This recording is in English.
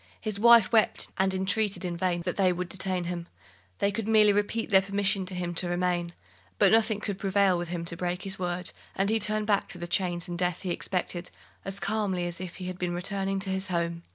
His wife wept and entreated in vain that they would detain him they could merely repeat their permission to him to remain; but nothing could prevail with him to break his word, and he turned back to the chains and death he expected, as calmly as if he had been returning to his home.